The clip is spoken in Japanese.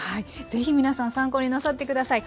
ぜひ皆さん参考になさって下さい。